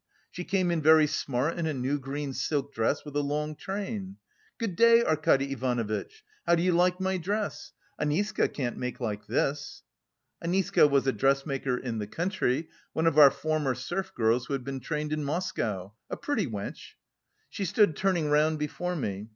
She came in very smart in a new green silk dress with a long train. 'Good day, Arkady Ivanovitch! How do you like my dress? Aniska can't make like this.' (Aniska was a dressmaker in the country, one of our former serf girls who had been trained in Moscow, a pretty wench.) She stood turning round before me.